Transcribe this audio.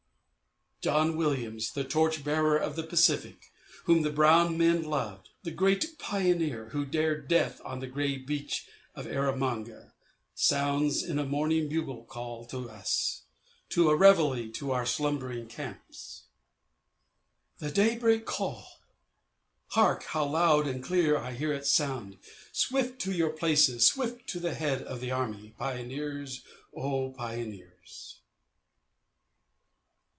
John Williams, the torch bearer of the Pacific, whom the brown men loved, the great pioneer, who dared death on the grey beach of Erromanga, sounds a morning bugle call to us, a Reveillè to our slumbering camps: "The daybreak call, Hark how loud and clear I hear it sound; Swift to your places, swift to the head of the army, Pioneers, O Pioneers!"